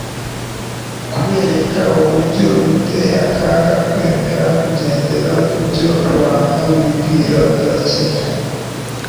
kubereka uburyo biteye akaga kwemera kugendera ku byo abantu bibwira bya kimuntu,